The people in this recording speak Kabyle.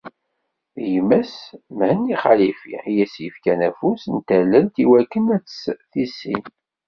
D gma-s Mhenni Xalifi i as-yefkan afus n tallelt iwakken ad tt-tissin.